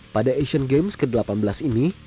pada asian games ke delapan belas ini